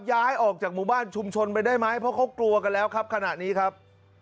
ย้ายออกจากหมู่บ้านชุมชนไปได้ไหมเพราะเขากลัวกันแล้วครับขณะนี้ครับ